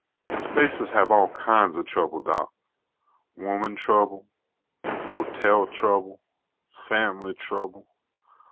Spacers have all kinds of trouble, Doc. Woman trouble. Hotel trouble. Fam'ly trouble.